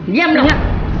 diam dong nya